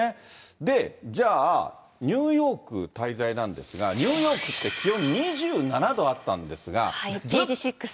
で、じゃあニューヨーク滞在なんですが、ニューヨークって、気温２７ページ・シックス。